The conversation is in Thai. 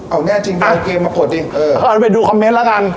เอาน่าจริงอ่ะอากลังมาผลดิเออเอาหนังไปดูคอมเม้นต์แล้วกัน